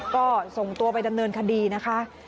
ก็ส่งตัวไปดำเนินคดีนะคะ